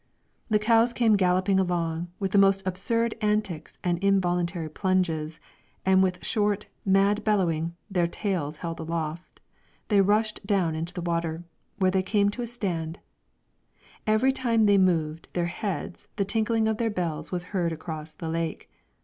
The cows came galloping along with the most absurd antics and involuntary plunges, and with short, mad bellowing, their tails held aloft, they rushed down into the water, where they came to a stand; every time they moved their heads the tinkling of their bells was heard across the lake.